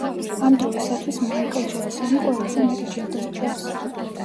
ამ დროისათვის მაიკლ ჯეკსონი ყველაზე მეტ ჯილდოს ფლობს.